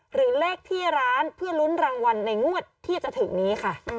หรือเลขที่ร้านเพื่อลุ้นรางวัลในงวดที่จะถึงนี้ค่ะ